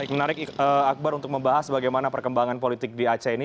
baik menarik akbar untuk membahas bagaimana perkembangan politik di aceh ini